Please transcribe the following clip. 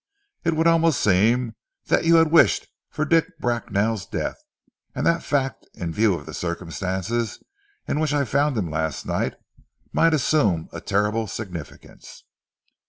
It would almost seem that you had wished for Dick Bracknell's death, and that fact in view of the circumstances in which I found him last night might assume a terrible significance."